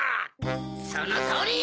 そのとおり！